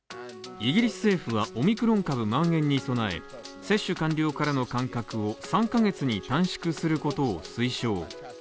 イギリス政府はオミクロン株の蔓延に備え、接種完了からの間隔を３ヶ月に短縮することを推奨。